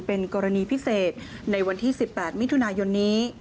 เป็นกรณีพิเศษในวันที่๑๘มิถุนายนนี้